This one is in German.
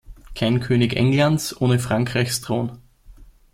Kein König Englands ohne Frankreichs Thron!